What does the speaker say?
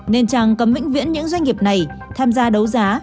nên trang cấm vĩnh viễn những doanh nghiệp này tham gia đấu giá